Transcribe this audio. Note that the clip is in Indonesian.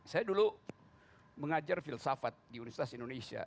saya dulu mengajar filsafat di universitas indonesia